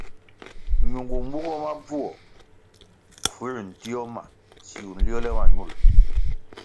Ñungu mbugoh mo bvuo fuęr ntio ma siwu nliole ma ñul.